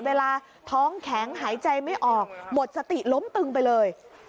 เวลาท้องแข็งหายใจไม่ออกหมดสติล้มตึงไปเลย